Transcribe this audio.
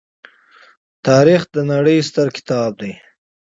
تاریخ د نړۍ ستر کتاب دی.